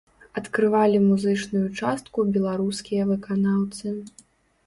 Адкрывалі музычную частку беларускія выканаўцы.